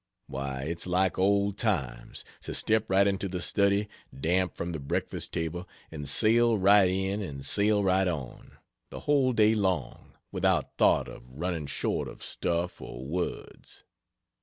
Why, it's like old times, to step right into the study, damp from the breakfast table, and sail right in and sail right on, the whole day long, without thought of running short of stuff or words.